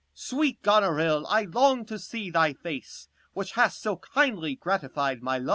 Corn. Sweet Gonorill, I long to see thy face, Which hast so kindly gratified my love.